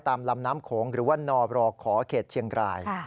ลำน้ำโขงหรือว่านบรขอเขตเชียงราย